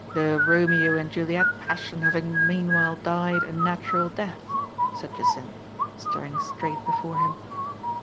" The Romeo and Juliet passion having mean while died a natural death?'* said Jacynth, star ing straight before him.